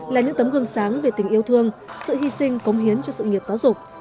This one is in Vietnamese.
là những tấm gương sáng về tình yêu thương sự hy sinh công hiến cho sự nghiệp giáo dục